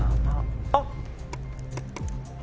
あっ！